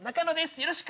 よろしく。